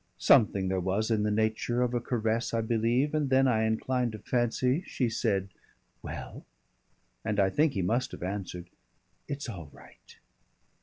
Something there was in the nature of a caress, I believe, and then I incline to fancy she said "Well?" and I think he must have answered, "It's all right."